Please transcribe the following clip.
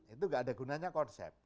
itu gak ada gunanya konsep